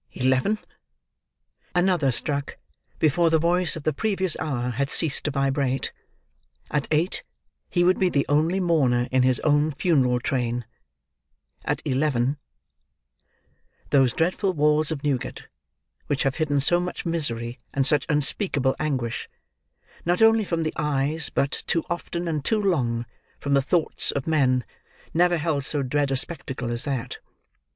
Eleven! Another struck, before the voice of the previous hour had ceased to vibrate. At eight, he would be the only mourner in his own funeral train; at eleven— Those dreadful walls of Newgate, which have hidden so much misery and such unspeakable anguish, not only from the eyes, but, too often, and too long, from the thoughts, of men, never held so dread a spectacle as that.